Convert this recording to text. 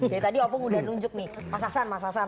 dari tadi opung udah nunjuk nih mas hasan mas hasan